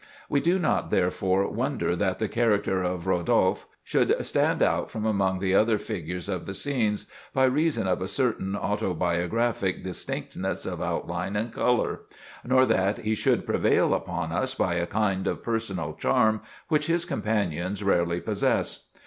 We do not, therefore, wonder that the character of Rodolphe should stand out from among the other figures of the "Scenes," by reason of a certain autobiographic distinctness of outline and color, nor that he should prevail upon us by a kind of personal charm which his companions rarely possess.